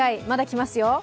まだ、きますよ